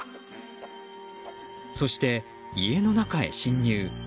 そして、家の中へ侵入。